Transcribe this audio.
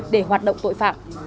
để hoạt động tội phạm